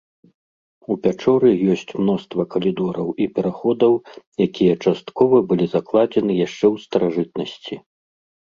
У пячоры ёсць мноства калідораў і пераходаў, якія часткова былі закладзены яшчэ ў старажытнасці.